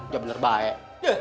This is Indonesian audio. udah bener baik